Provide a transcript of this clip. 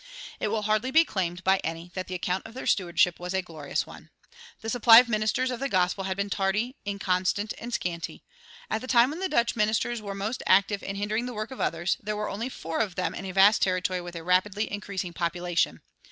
It will hardly be claimed by any that the account of their stewardship was a glorious one. The supply of ministers of the gospel had been tardy, inconstant, and scanty. At the time when the Dutch ministers were most active in hindering the work of others, there were only four of themselves in a vast territory with a rapidly increasing population.